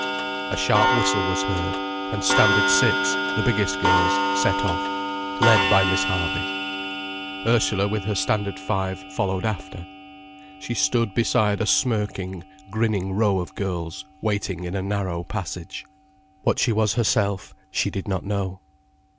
A sharp whistle was heard, and Standard Six, the biggest girls, set off, led by Miss Harby. Ursula, with her Standard Five, followed after. She stood beside a smirking, grinning row of girls, waiting in a narrow passage. What she was herself she did not know.